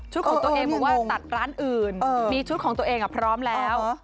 ของตัวเองบอกว่าตัดร้านอื่นมีชุดของตัวเองพร้อมแล้ว